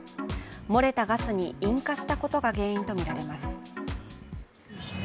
漏れたガスに引火したことが原因とみられています。